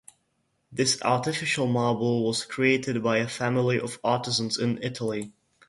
This artificial marble was created by a family of artisans in Italy.